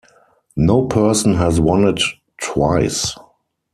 No person has won it twice.